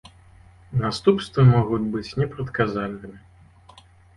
Наступствы могуць быць непрадказальнымі.